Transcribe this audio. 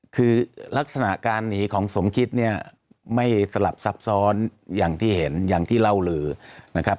คือลักษณะการหนีของสมคิดเนี่ยไม่สลับซับซ้อนอย่างที่เห็นอย่างที่เล่าลือนะครับ